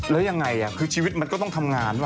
คุณอย่างไรอะคือชีวิตมันก็ต้องทำงานวะ